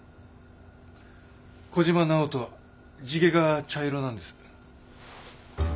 小嶋尚人は地毛が茶色なんです。